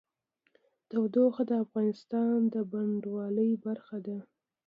تودوخه د افغانستان د بڼوالۍ برخه ده.